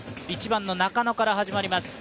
１番の中野から始まります。